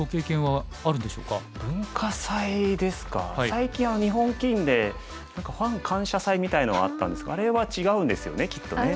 最近日本棋院で何かファン感謝祭みたいなのはあったんですがあれは違うんですよねきっとね。